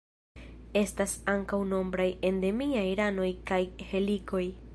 Estas ankaŭ nombraj endemiaj ranoj kaj helikoj.